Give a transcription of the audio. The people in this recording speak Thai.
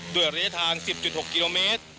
ด้วยระยะทาง๑๐๖กิโลเมตร